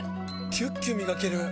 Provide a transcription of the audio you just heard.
キュッキュ磨ける！